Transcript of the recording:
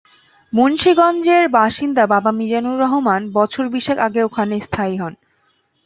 মুন্সিগঞ্জের বাসিন্দা বাবা মিজানুর রহমান বছর বিশেক আগে ওখানে স্থায়ী হন।